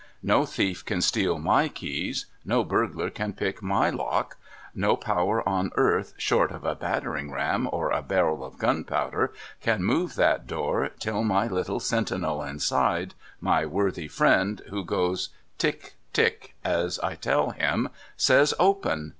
No thief can steal my keys. No burglar can pick my lock. No power on earth, short of a battering ram or a barrel of gunpowder, can move that door, till my little sentinel inside — my worthy friend who goes "Tick, Tick," as I tell him — says " Open